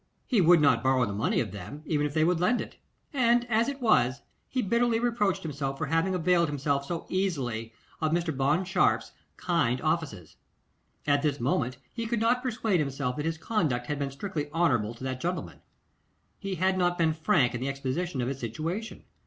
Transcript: He would not borrow the money of them, even if they would lend it; and as it was, he bitterly reproached himself for having availed himself so easily of Mr. Bond Sharpe's kind offices. At this moment, he could not persuade himself that his conduct had been strictly honourable to that gentleman. He had not been frank in the exposition of his situation.